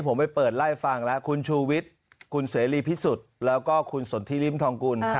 ผมไปเปิดไล่ฟังแล้วคุณชูวิทย์คุณเสรีพิสุทธิ์แล้วก็คุณสนทิริมทองกุล